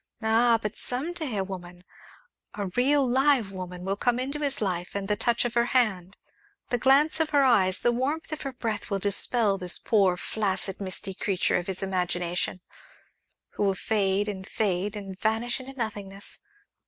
Ah! but some day a woman a real, live woman will come into his life, and the touch of her hand, the glance of her eyes, the warmth of her breath, will dispel this poor, flaccid, misty creature of his imagination, who will fade and fade, and vanish into nothingness.